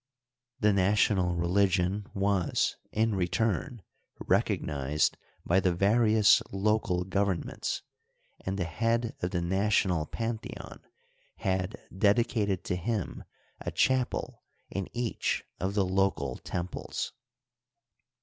The national religion was, in return, recognized by the various local governments, and the head of the national pantheon had dedicated to him a chapel in each of the local temples.